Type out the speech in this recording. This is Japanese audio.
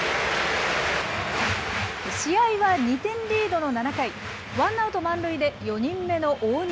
試合は２点リードの７回、ワンアウト満塁で４人目の大西。